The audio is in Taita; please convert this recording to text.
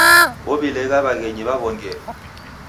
Ow'ilegha w'aghenyi w'aw'ongeri.